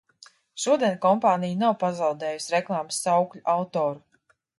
Šodien kompānija nav pazaudējusi reklāmas saukļu autoru.